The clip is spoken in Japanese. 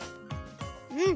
うん。